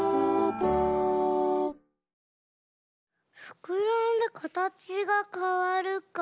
「ふくらんでかたちがかわる」か。